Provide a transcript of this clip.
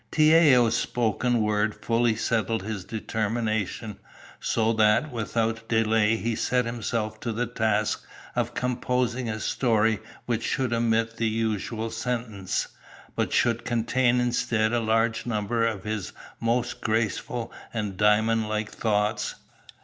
Tiao's spoken word fully settled his determination, so that without delay he set himself to the task of composing a story which should omit the usual sentence, but should contain instead a large number of his most graceful and diamond like thoughts.